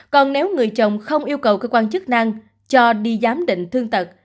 còn nếu người chồng không yêu cầu cơ quan chức năng cho đi giám định thương tật